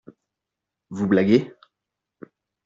Vous blaguez ?